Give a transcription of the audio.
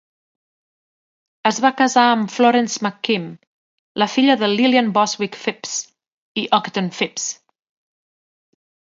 Es va casar amb Florence McKim, la filla de Lillian Bostwick Phipps i Ogden Phipps.